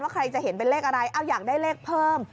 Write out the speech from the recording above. ใครจะเห็นเป็นเลขอะไรอยากได้เลขเพิ่ม